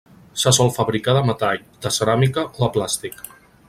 Se sol fabricar de metall, de ceràmica o de plàstic.